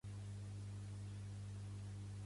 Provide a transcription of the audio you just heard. Pertany al moviment independentista l'Oscar?